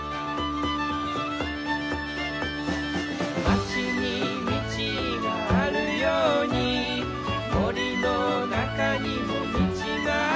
「まちに道があるように」「森の中にも道がある」